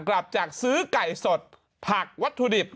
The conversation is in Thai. กลับจากซื้อไก่สดผักวัตถุดิบ